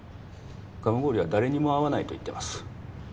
蒲郡は誰にも会わないと言ってます